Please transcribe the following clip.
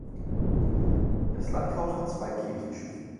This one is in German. Das Langhaus hat zwei Kirchenschiffe.